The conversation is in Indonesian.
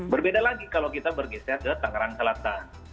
berbeda lagi kalau kita bergeser ke tangerang selatan